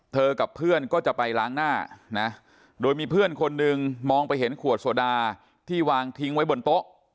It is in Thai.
กับเพื่อนก็จะไปล้างหน้านะโดยมีเพื่อนคนหนึ่งมองไปเห็นขวดโซดาที่วางทิ้งไว้บนโต๊ะ